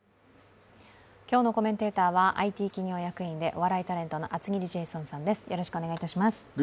今日のコメンテーターはＩＴ企業役員で、お笑いタレントの厚切りジェイソンさんです。